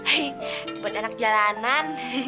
hei buat anak jalanan